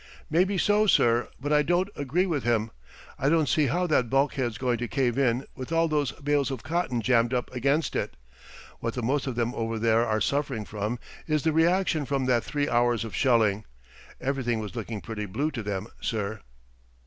"Maybe so, sir, but I don't agree with him. I don't see how that bulkhead's going to cave in with all those bales of cotton jammed up against it. What the most of them over there are suffering from is the reaction from that three hours of shelling everything was looking pretty blue to them, sir."